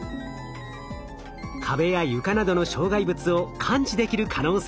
壁や床などの障害物を感知できる可能性が分かりました。